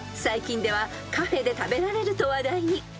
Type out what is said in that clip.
［最近ではカフェで食べられると話題に］